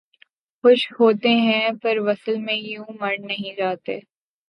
خوش ہوتے ہیں پر وصل میں یوں مر نہیں جاتے